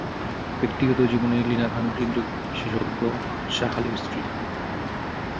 ব্যক্তিগত জীবনে লিনা খান হৃদরোগ বিশেষজ্ঞ শাহ আলীর স্ত্রী।